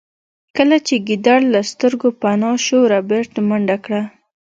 کله چې ګیدړ له سترګو پناه شو ربیټ منډه کړه